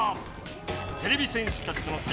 てれび戦士たちとのたい